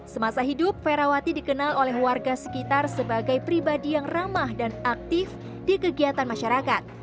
semasa hidup ferawati dikenal oleh warga sekitar sebagai pribadi yang ramah dan aktif di kegiatan masyarakat